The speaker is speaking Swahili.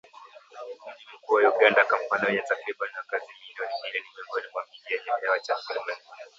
Mji mkuu wa Uganda, Kampala wenye takribani wakazi milioni mbili ni miongoni mwa miji yenye hewa chafu ulimwenguni